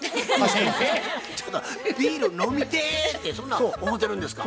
ちょっと「ビール飲みてえ」ってそんな思うてるんですか？